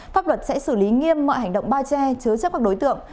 pháp luật sẽ xử lý nghiêm mọi hành động bao che chứa chấp các đối tượng